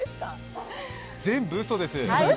全部うそです。